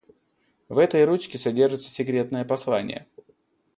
В этой ручке содержится секретное послание.